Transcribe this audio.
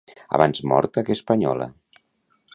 Abans morta que espanyola